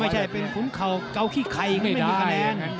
ไม่ใช่เป็นฝุ่นเข่าเกาขี้ไข่ไม่ได้